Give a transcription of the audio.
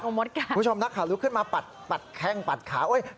คุณผู้ชมนักขาลุกขึ้นมาปัดแข้งปัดขา